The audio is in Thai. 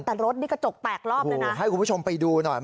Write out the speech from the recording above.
แต่รถนี่กระจกแตกรอบเลยนะให้คุณผู้ชมไปดูหน่อย